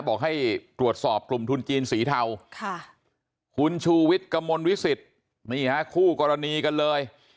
บอกให้ตรวจสอบกลุ่มทุนจีนสีเทาคุณชูวิทย์กระมวลวิสิตนี่ฮะคู่กรณีกันเลย